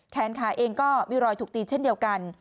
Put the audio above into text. แขนขาเองก็มีรอยถูกตีเช่นเดียวกัน